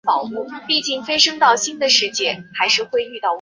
校务委员会主席和校长获准请辞。